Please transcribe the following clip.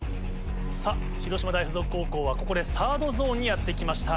さぁ広島大附属高校はここでサードゾーンにやって来ました。